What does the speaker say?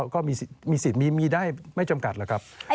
ก็มีสิทธิ์มีได้ไม่จำกัดหรอกครับ